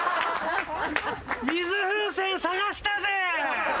水風船探したぜ。